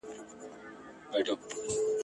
خو موږ ټول باید روان سو د وروستي تم ځای پر لوري !.